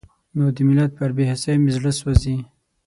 نو د ملت پر بې حسۍ مې زړه سوزي.